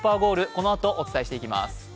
このあとお伝えしていきます。